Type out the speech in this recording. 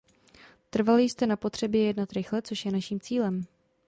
Trvali jste na potřebě jednat rychle, což je naším cílem.